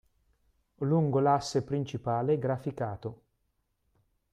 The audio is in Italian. Lungo l’asse principale graficato.